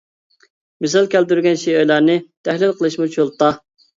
مىسال كەلتۈرۈلگەن شېئىرلارنى تەھلىل قىلىشمۇ چولتا.